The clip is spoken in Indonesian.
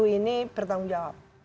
ini bertanggung jawab